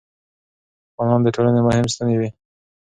خانان د ټولنې مهم ستنې وې.